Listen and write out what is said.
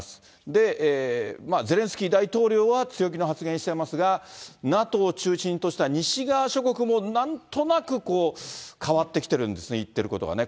で、ゼレンスキー大統領は強気な発言をしていますが、ＮＡＴＯを中心とした西側諸国も、なんとなく、こう、変わってきてるんですね、言ってることがね。